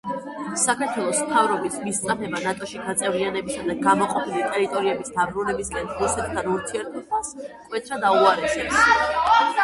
საქართველოს მთავრობის მისწრაფება ნატოში გაწევრიანებასა და გამოყოფილი ტერიტორიების დაბრუნებისკენ რუსეთთან ურთიერთობას მკვეთრად აუარესებს.